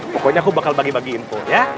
pokoknya aku bakal bagi bagi info ya